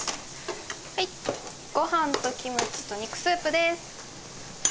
はいごはんとキムチと肉スープです。